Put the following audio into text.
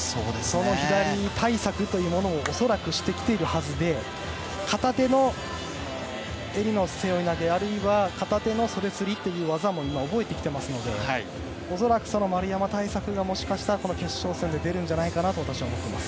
左対策というものを恐らくしてきているはずで片手の襟の背負い投げあるいは片手の袖釣りという技も今、覚えてきていますので恐らく、丸山対策がもしかしたらこの決勝戦で出るんじゃないかと思っています。